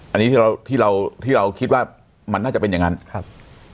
อันนี้ที่เราที่เราคิดว่ามันน่าจะเป็นอย่างนั้นครับ